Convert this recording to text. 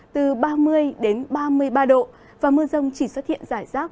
từ ba mươi đến ba mươi ba độ và mưa rông chỉ xuất hiện rải rác